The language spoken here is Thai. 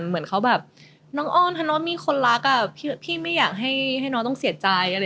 เหมือนเขาแบบน้องอ้อนถ้าน้องมีคนรักพี่ไม่อยากให้น้องต้องเสียใจ